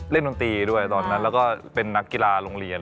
ดนตรีด้วยตอนนั้นแล้วก็เป็นนักกีฬาโรงเรียน